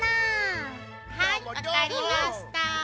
はいわかりました。